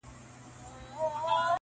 د سرتورو انګولا ده د بګړیو جنازې دي -